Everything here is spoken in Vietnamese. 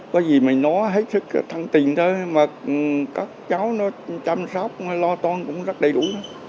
có gì mà nó hết sức thăng tiền thôi mà các cháu nó chăm sóc lo toan cũng rất đầy đủ